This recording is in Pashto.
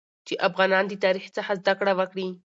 چې افغانان د تاریخ څخه زده کړه وکړي